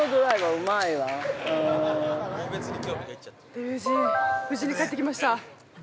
◆デヴィ夫人、無事に帰ってきました。